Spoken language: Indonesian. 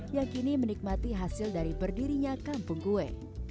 yang kini menikmati hasil dari berdirinya kampung kue